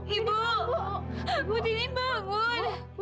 ibu tidik bangun bu